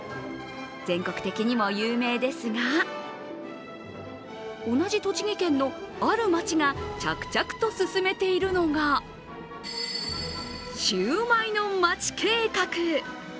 全国的にも有名ですが同じ栃木県のある町が着々と進めているのがシューマイの町計画。